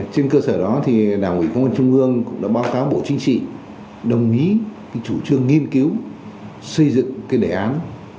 trên cơ sở đó thì đảng ủy công an trung ương cũng đã báo cáo bộ chính trị đồng ý chủ trương nghiên cứu xây dựng cái đề án một trăm linh sáu